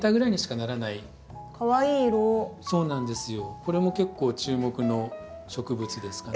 これも結構注目の植物ですかね。